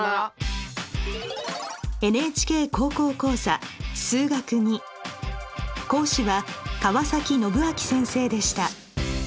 ＮＨＫ高校講座「数学Ⅱ」講師は川宣昭先生でした。